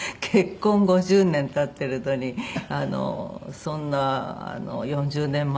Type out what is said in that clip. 結婚５０年経ってるのにそんな４０年前なんて事。